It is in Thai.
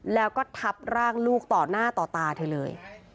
แล้วก็ทับร่างลูกต่อหน้าต่อตาเธอเลย